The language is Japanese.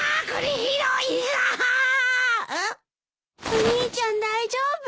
お兄ちゃん大丈夫？